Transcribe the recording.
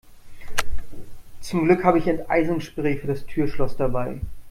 Zum Glück habe ich Enteisungsspray für das Türschloss dabei.